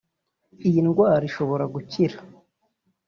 iyi ndwara ishobora gukira